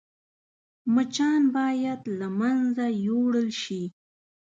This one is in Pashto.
مچان باید له منځه يوړل شي